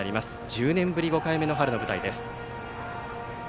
１０年ぶり５回目の春の舞台です。